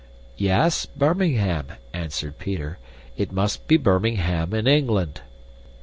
"Yes, Birmingham," answered Peter. "It must be Birmingham in England."